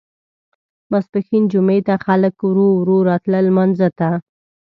ماسپښین جمعې ته خلک ورو ورو راتلل لمانځه ته.